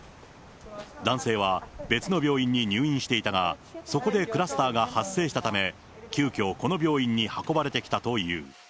男性は別の病院に入院していたが、そこでクラスターが発生したため、急きょ、この病院に運ばれてきたという。